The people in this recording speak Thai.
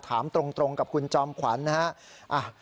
ถามตรงกับคุณจอมขวัญนะครับ